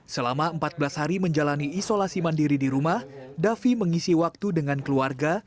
selama empat belas hari menjalani isolasi mandiri di rumah davi mengisi waktu dengan keluarga